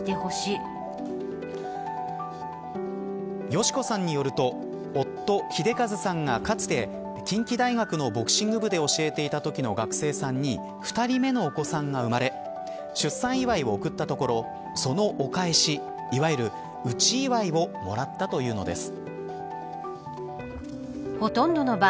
佳子さんによると夫、英和さんがかつて近畿大学のボクシング部で教えていたときの学生さんに２人目のお子さんが生まれ出産祝いを贈ったところそのお返し、いわゆる内祝いをもらったというのです。